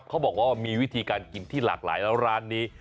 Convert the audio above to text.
เขาบอกว่ามีวิธีการกินที่หลากหลายแล้วร้านนี้